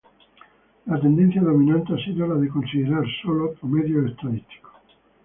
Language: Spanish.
La tendencia dominante ha sido la de considerar sólo promedios estadísticos.